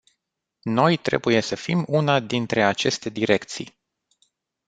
Noi trebuie să fim una dintre aceste direcții.